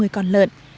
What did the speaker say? ba mươi con lợn